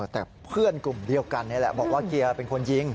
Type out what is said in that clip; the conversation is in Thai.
แต่เพื่อนกลุ่มเดียวกันนี่แหละบอกว่าเกียร์เป็นคนยิง